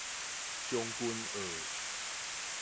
將軍澳